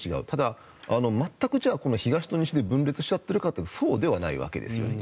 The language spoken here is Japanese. ただ、全く違って西と東で分裂してるかというとそうではないわけです